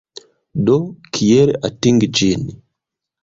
Do kiel atingi ĝin?